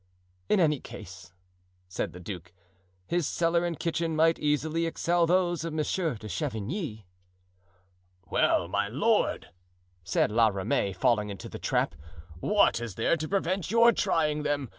"In any case," said the duke, "his cellar and kitchen might easily excel those of Monsieur de Chavigny." "Well, my lord," said La Ramee, falling into the trap, "what is there to prevent your trying them?